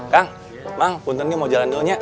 kang mang puntennya mau jalan dulunya